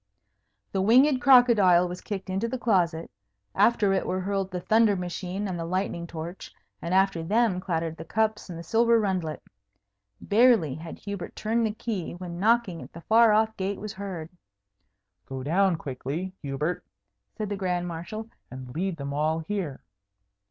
The winged crocodile was kicked into the closet, after it were hurled the thunder machine and the lightning torch, and after them clattered the cups and the silver rundlet. Barely had Hubert turned the key, when knocking at the far off gate was heard. "Go down quickly, Hubert," said the Grand Marshal, "and lead them all here."